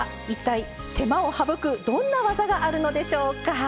一体手間を省くどんな技があるのでしょうか。